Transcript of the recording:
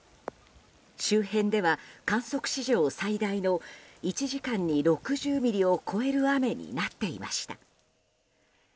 周辺では、観測史上最大の１時間に６０ミリを超える雨になっていました。